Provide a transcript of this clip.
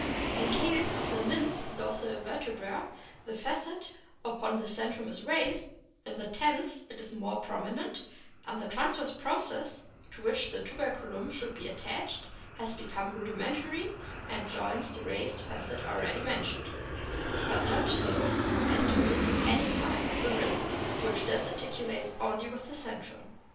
In the case of the ninth dorsal vertebra the facet upon the centrum is raised ; in the tenth it is more prominent, and the transverse process to which the tuberculum should be attached has become rudimentary and joins the raised facet already mentioned, but not so as to receive any part of the rib which thus articulates only with the centrum.